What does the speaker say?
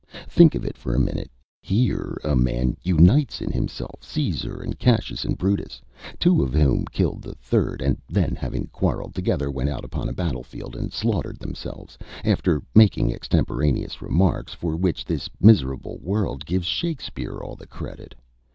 Think of it for a minute. Here a man unites in himself Cæsar and Cassius and Brutus, two of whom killed the third, and then, having quarrelled together, went out upon a battle field and slaughtered themselves, after making extemporaneous remarks, for which this miserable world gives Shakespeare all the credit.